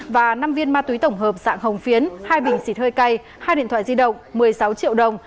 và năm viên ma túy tổng hợp dạng hồng phiến hai bình xịt hơi cay hai điện thoại di động một mươi sáu triệu đồng